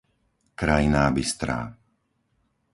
Krajná Bystrá